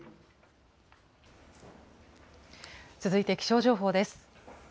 続いて気象情報です。